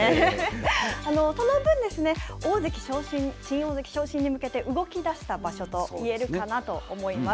その分ですね、大関昇進新大関昇進に向けて動き出した場所と言えるかなと思います。